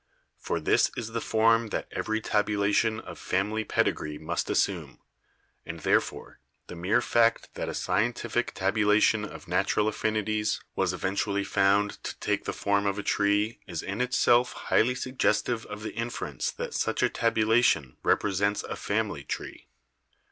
For this is the form that every tabulation of family pedigree must assume, and therefore the mere fact that a scientific tabulation of natural affinities was eventually found to take the form of a tree is in itself highly suggestive of the inference that such a tabulation represents a family tree.